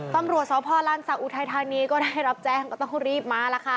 ตำรวจสพลานศักดิอุทัยธานีก็ได้รับแจ้งก็ต้องรีบมาแล้วค่ะ